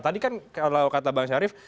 tadi kan kalau kata bang syarif